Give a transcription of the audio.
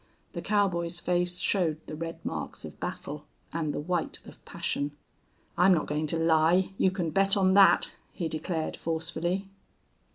The cowboy's face showed the red marks of battle and the white of passion. "I'm not going to lie, you can bet on that," he declared, forcefully.